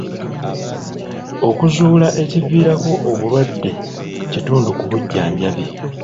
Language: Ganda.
Okuzuula ekiviirako obulwadde kitundu ku bujjanjabi.